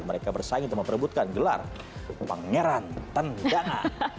mereka bersaing untuk memperebutkan gelar pangeran tendangan